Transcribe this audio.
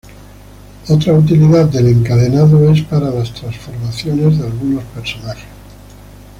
Otra utilidad del encadenado es para las transformaciones de algunos personajes.